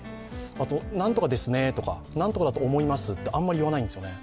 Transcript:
あと、なんとかですね、なんとかだと思いますとあまり言わないんですよね。